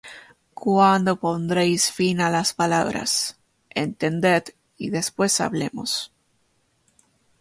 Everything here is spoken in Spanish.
¿Cuándo pondréis fin á las palabras? Entended, y después hablemos.